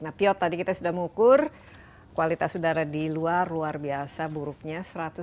nah fyod tadi kita sudah mengukur kualitas udara di luar luar biasa buruknya satu ratus lima puluh satu